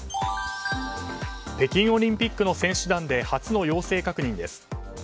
北京オリンピックの選手団で初の陽性確認です。